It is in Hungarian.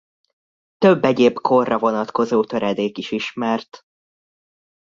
Több egyéb korra vonatkozó töredék is ismert.